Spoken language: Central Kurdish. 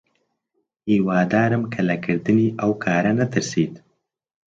هیوادارم کە لە کردنی ئەو کارە نەترسیت.